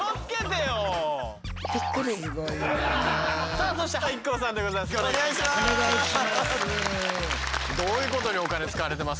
さあそしてＩＫＫＯさんでございます。